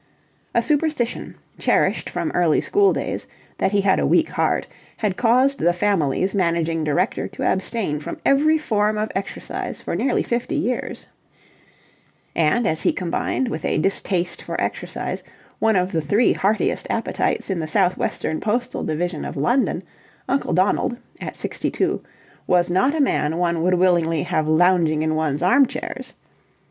A superstition, cherished from early schooldays, that he had a weak heart had caused the Family's managing director to abstain from every form of exercise for nearly fifty years; and, as he combined with a distaste for exercise one of the three heartiest appetites in the south western postal division of London, Uncle Donald, at sixty two, was not a man one would willingly have lounging in one's armchairs.